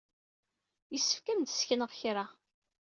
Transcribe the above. Yessefk ad am-d-ssekneɣ kra.